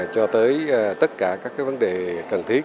cho tới tất cả các vấn đề cần thiết